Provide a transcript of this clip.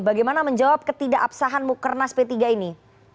bagaimana menjawab ketidakabsahan mukernas p tiga ini